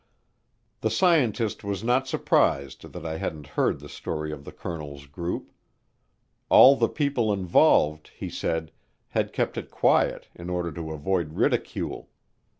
The scientist was not surprised that I hadn't heard the story of the colonel's group. All the people involved, he said, had kept it quiet in order to avoid ridicule.